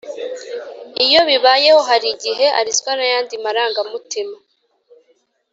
iyo bibayeho, hari igihe arizwa n’ayandi marangamutima